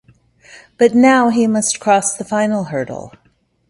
But now he must cross the final hurdle.